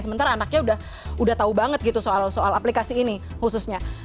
sementara anaknya udah tau banget gitu soal aplikasi ini khususnya